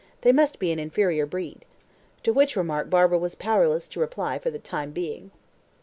They must be an inferior breed." To which remark Barbara was powerless to reply for the time being.